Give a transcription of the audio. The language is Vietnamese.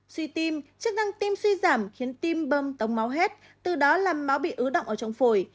suy tim chức năng tim suy giảm khiến tim bâm tống máu hết từ đó làm máu bị ứ động ở trong phổi